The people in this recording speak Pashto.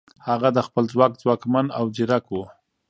هغه د خپل ځواک ځواکمن او ځیرک و.